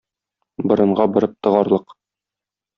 Борынга борып тыгарлык.